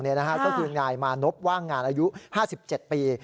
ก็คือนายมานพว่างงานอายุ๕๗ปี